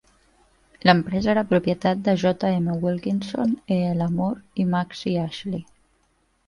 L'empresa era propietat de J. M. Wilkinson, E. L. Moore i Maxey Ashley.